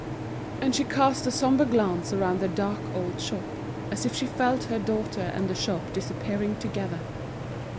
And she cast a sombre glance around the dark old shop, as if she felt her daughter and the shop disappearing together.